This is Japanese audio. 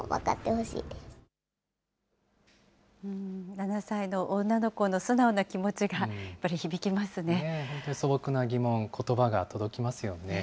７歳の女の子の素直な気持ちが、本当に、素朴な疑問、ことばが届きますよね。